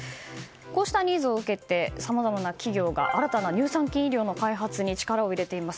こうしたニーズを受けてさまざまな企業が新たな乳酸菌飲料の開発に力を入れています。